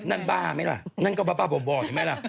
นั่นบ้าไหมล่ะนั่นก็บ้าบ่ออย่างนี้ไหมล่ะ